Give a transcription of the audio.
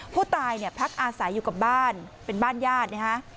ผู้ตายเนี่ยพักอาศัยอยู่กับบ้านเป็นบ้านญาตินะฮะ